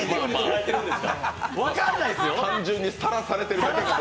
単純にさらされてるだけかも。